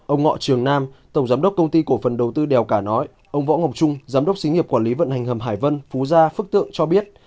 ông ngọ trường nam tổng giám đốc công ty cổ phần đầu tư đèo cả nói ông võ ngọc trung giám đốc xí nghiệp quản lý vận hành hầm hải vân phú gia phước tượng cho biết